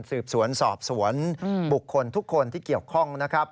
สืบสวนสอบสวนบุคคลทุกคนที่เกี่ยวข้องนะครับ